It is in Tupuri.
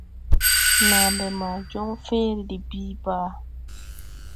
Nàa mbɛ ma jɔŋ fẽẽre de bìi bàa.